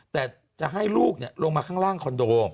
แต่จะให้ลูกลงมาข้างล่างคอนโด